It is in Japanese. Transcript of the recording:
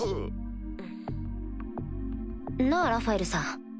なぁラファエルさん